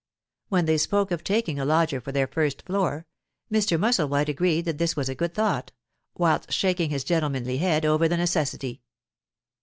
When they spoke of taking a lodger for their first floor, Mr. Musselwhite agreed that this was a good thought, whilst shaking his gentlemanly head over the necessity.